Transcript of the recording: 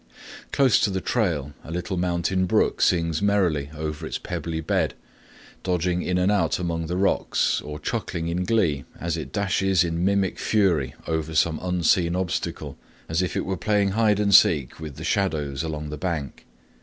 Close to the trail a little mountain brook sings merrily over its pebbly bed, dodging in and out among the rocks, or chuckling in glee as it dashes in mimic fury over some unseen obstacle, as if it were playing hide and seek with the shadows along the bank.